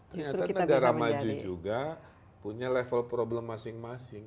ternyata negara maju juga punya level problem masing masing